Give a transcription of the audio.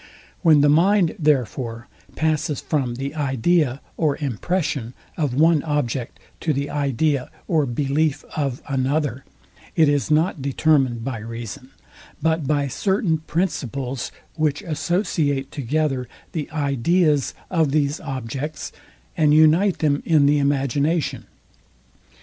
When the mind, therefore, passes from the idea or impression of one object to the idea or belief of another, it is not determined by reason, but by certain principles, which associate together the ideas of these objects, and unite them in the imagination.